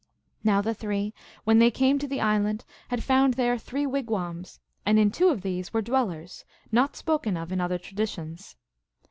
Now the three, when they came to the island, had found there three wigwams, and in two of these were dwellers, not spoken of in other traditions.